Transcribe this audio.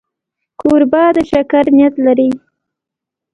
کوربه د شکر نیت لري.